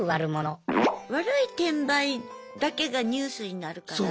悪い転売だけがニュースになるから。